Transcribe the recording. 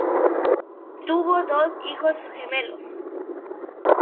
Tuvo dos hijos gemelos.